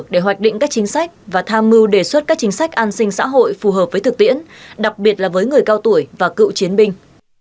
để hoạch định các chính sách và tham mưu đề xuất các chính sách an sinh xã hội phù hợp với thực tiễn đặc biệt là với người cao tuổi và cựu chiến binh